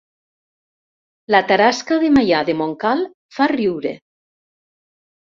La tarasca de Maià de Montcal fa riure